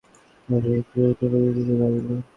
ও মাত্রই আপনার ডেপুটিদের জীবন বাঁচালো।